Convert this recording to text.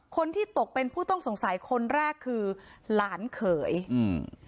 คนที่ตกเป็นผู้ต้องสงสัยคนแรกคือหลานเขยอืม